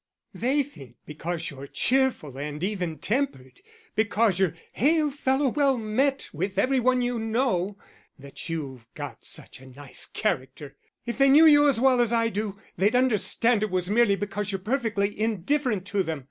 They think because you're cheerful and even tempered, because you're hail fellow well met with every one you know, that you've got such a nice character. If they knew you as well as I do, they'd understand it was merely because you're perfectly indifferent to them.